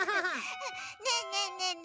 ねえねえねえね